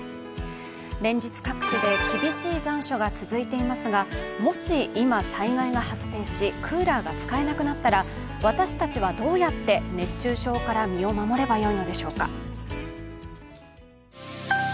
連日、各地で厳しい残暑が続いていますがもし、今、災害が発生し、クーラーが使えなくなったら私たちはどうやって熱中症から身を守ればよいのでしょうか。